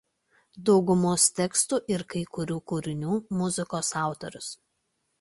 Daugumos tekstų ir kai kurių kūrinių muzikos autorius.